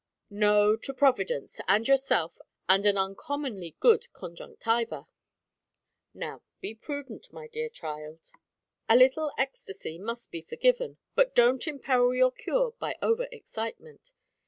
"No, to Providence, and yourself, and an uncommonly good conjunctiva. Now be prudent, my dear child; a little ecstasy must be forgiven; but don't imperil your cure by over excitement.